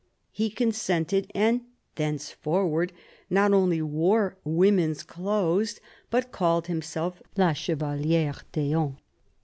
He consented; and thenceforward not only wore women's clothes but called himself "La Chevalière d'Eon."